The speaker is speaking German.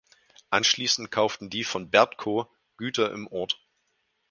Anschließend kauften die von Bertkow Güter im Ort.